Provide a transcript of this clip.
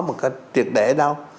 một cái triệt để đâu